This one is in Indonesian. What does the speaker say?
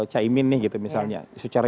caimin nih gitu misalnya secara